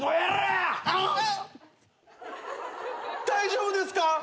大丈夫ですか？